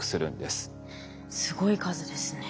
すごい数ですね。